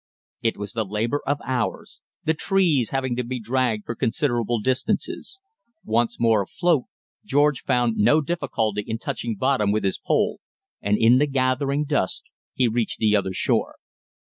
It was the labour of hours, the trees having to be dragged for considerable distances. Once more afloat, George found no difficulty in touching bottom with his pole, and in the gathering dusk he reached the other shore.